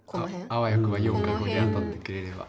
あわよくば４か５で当たってくれれば。